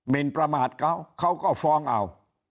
นประมาทเขาเขาก็ฟ้องเอา